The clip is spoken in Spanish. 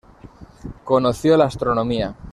Conoció la Astronomía.